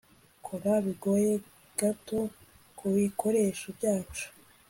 Kora bigoye gato kubikoresho byacu